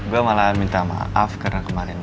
gue malahan minta maaf karena kemarin